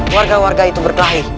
warga warga itu berkelahi